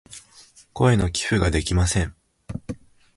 声の寄付ができません。